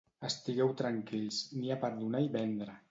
Estigueu tranquils: n'hi ha per donar i vendre.